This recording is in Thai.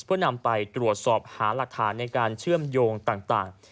เพื่อนำไปตรวจสอบหาหลักฐานในการเชื่อมโยงต่าง